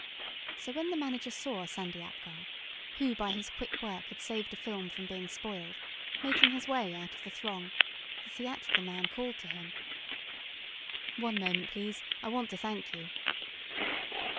So when the manager saw Sandy Apgar, who by his quick work had saved a film from being spoiled, making his way out of the throng, the theatrical man called to him: "One moment, please. I want to thank you."